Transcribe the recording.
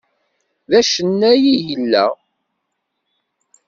D acennay i yella.